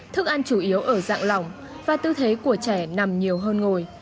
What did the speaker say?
thức ăn chủ yếu ở dạng lỏng và tư thế của trẻ nằm nhiều hơn ngồi